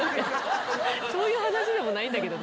そういう話でもないんだけどな。